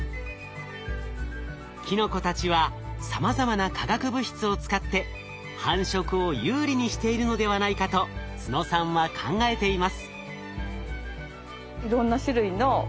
キノコたちはさまざまな化学物質を使って繁殖を有利にしているのではないかと都野さんは考えています。